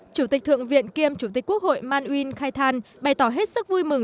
chủ tịch thượng viện kiêm chủ tịch quốc hội man uyên khai than bày tỏ hết sức vui mừng